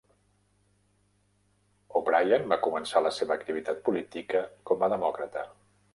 O'Brien va començar la seva activat política com a demòcrata.